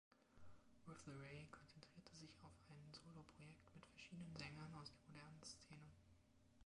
Rotheray konzentrierte sich auf ein Soloprojekt mit verschiedenen Sängern aus der modernen Szene.